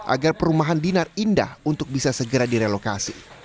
agar perumahan dinar indah untuk bisa segera direlokasi